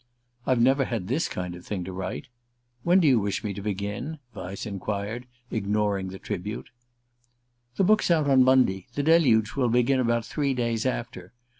"I've never had this kind of thing to write. When do you wish me to begin?" Vyse enquired, ignoring the tribute. "The book's out on Monday. The deluge will begin about three days after.